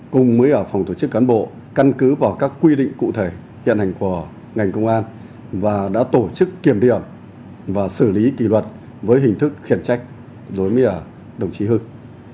cùng với ở phòng tổ chức cán bộ căn cứ vào các quy định cụ thể hiện hành của ngành công an và đã tổ chức kiểm điểm và xử lý kỳ luật với hình thức khiển trách đối với đồng chí hưng